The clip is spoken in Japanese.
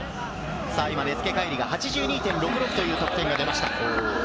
今、根附海龍が８２．６６という得点が出ました。